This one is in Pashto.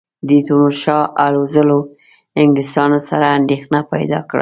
د تیمورشاه هلو ځلو انګلیسیانو سره اندېښنه پیدا کړه.